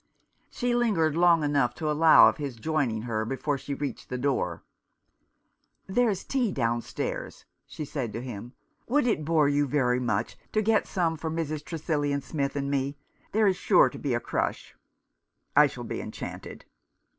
She lingered long enough to allow of his joining her before she reached the door. " There is tea downstairs," she said to him. "Would it bore you very much to get some for Mrs. Tresillian Smith and me ? There is sure to be a crush." " I shall be enchanted."